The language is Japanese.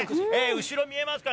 後ろ見えますか？